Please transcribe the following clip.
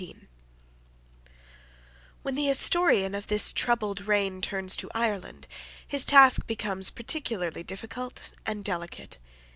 When the historian of this troubled reign turns to Ireland, his task becomes peculiarly difficult and delicate.